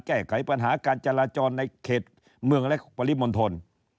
แก้ไขปัญหาการจราจรในเขตเมืองและปริมณฑล